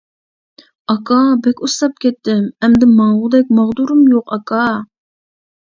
-ئاكا بەك ئۇسساپ كەتتىم، ئەمدى ماڭغۇدەك ماغدۇرۇم يوق ئاكا.